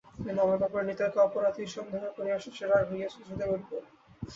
এই মামলার ব্যাপারে নিতাইকে অপরাধী সন্দেহ করিয়াও শশীর রাগ হইয়াছে সুদেবের উপর।